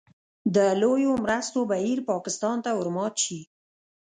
د لویو مرستو بهیر پاکستان ته ورمات شي.